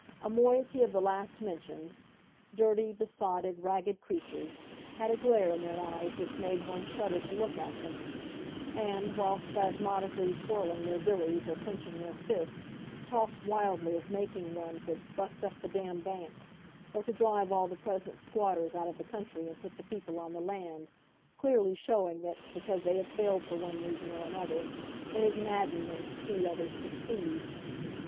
A moiety of the last mentioned dirty, besotted, ragged creatures had a glare in their eyes which made one shudder to look at them, and, while spasmodically twirling their billies or clenching their fists, talked wildly of making one to "bust up the damn banks", or to drive all the present squatters out of the country and put the people on the land clearly showing that, because they had failed for one reason or another, it had maddened them to see others succeed.